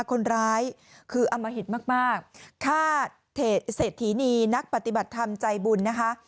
คนร้ายคืออมหิตมากฆ่าเศรษฐีนีนักปฏิบัติธรรมใจบุญนะคะ